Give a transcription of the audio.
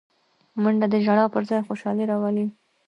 منډه د ژړا پر ځای خوشالي راولي